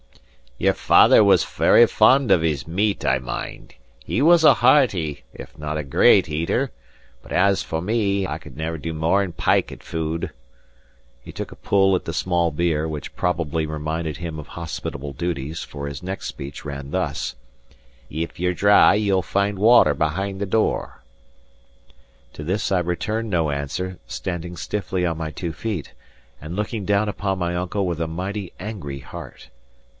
"Your father was very fond of his meat, I mind; he was a hearty, if not a great eater; but as for me, I could never do mair than pyke at food." He took a pull at the small beer, which probably reminded him of hospitable duties, for his next speech ran thus: "If ye're dry ye'll find water behind the door." To this I returned no answer, standing stiffly on my two feet, and looking down upon my uncle with a mighty angry heart.